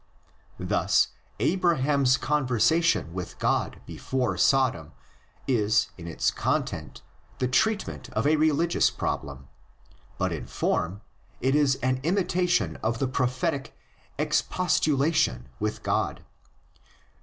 Thus Abraham's conversation with God before Sodom is in its con tent the treatment of a religious problem, but in form it is an imitation of the Prophetic "expostula tion" with God.